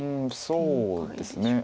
そうですね。